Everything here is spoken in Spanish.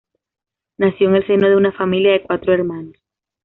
Nació en en el seno de una familia de cuatro hermanos.